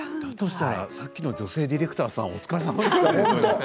さっきの女性ディレクターさん、お疲れさまでした。